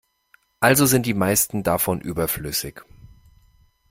Also sind die meisten davon überflüssig.